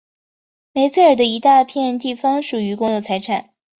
梅费尔的一大片地方属于公有财产。